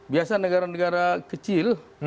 biasa negara negara kecil